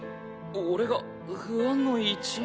俺が不安の一因。